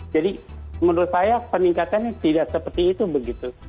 jadi menurut saya peningkatan tidak seperti itu begitu